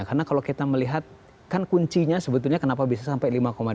karena kalau kita melihat kan kuncinya sebetulnya kenapa bisa sampai lima dua